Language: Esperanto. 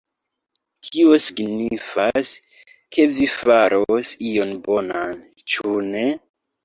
Tio signifas ke vi faros ion bonan, ĉu ne?